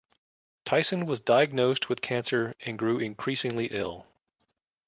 Tyson was diagnosed with cancer and grew increasingly ill.